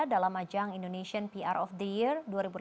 dalam ajang indonesian pr of the year dua ribu delapan belas